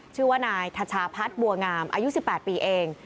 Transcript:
ชื่อว่านายทชาพัฒน์บัวงามอายุ๑๘ปีเอง